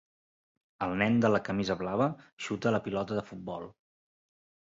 El nen de la camisa blava xuta la pilota de futbol.